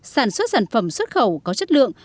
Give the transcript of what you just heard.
sản xuất sản phẩm xuất khẩu có chất lượng